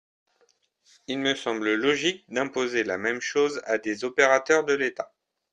Il me semble logique d’imposer la même chose à des opérateurs de l’État.